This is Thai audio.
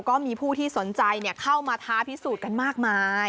ก็มีผู้ที่สนใจเข้ามาท้าพิสูจน์กันมากมาย